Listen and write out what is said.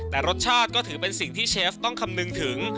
แต่รสชาติก็ถือเป็นสิ่งที่เชฟต้องคำนึงถึง